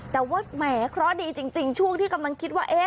แต่ว่าแหมเคราะห์ดีจริงช่วงที่กำลังคิดว่า